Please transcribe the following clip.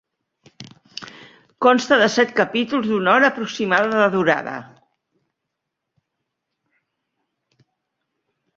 Consta de set capítols d'una hora aproximada de durada.